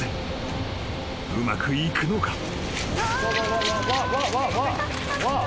［うまくいくのか？］